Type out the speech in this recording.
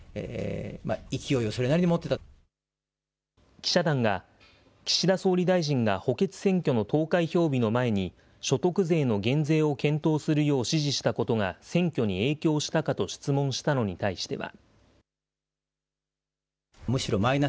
記者団が岸田総理大臣が補欠選挙の投開票日の前に、所得税の減税を検討するよう指示したことが選挙に影響したかと質問したのに対しては。